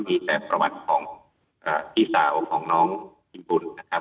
มีแต่ประวัติของพี่สาวของน้องทีมบุญนะครับ